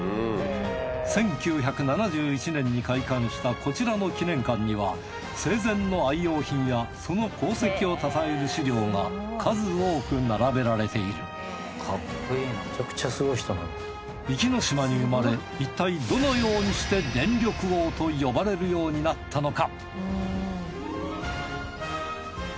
１９７１年に開館したこちらの記念館には生前の愛用品やその功績をたたえる資料が数多く並べられている壱岐島に生まれいったいどのようにして電力王と呼ばれるようになったのか？